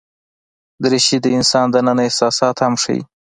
دریشي د انسان دننه احساسات هم ښيي.